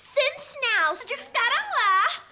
since now sejak sekarang lah